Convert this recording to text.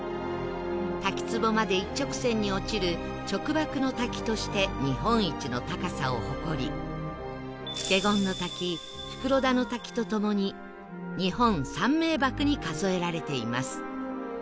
滝つぼまで一直線に落ちる直瀑の滝として日本一の高さを誇り華厳の滝袋田の滝とともに日本三名瀑に数えられています